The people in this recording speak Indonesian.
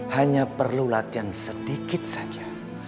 hanya perlu latihan sedikit saja